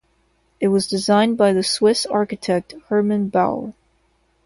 It was designed by the Swiss architect Hermann Baur.